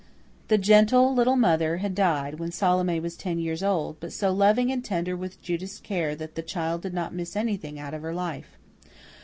The gentle little mother had died when Salome was ten years old, but so loving and tender was Judith's care that the child did not miss anything out of her life.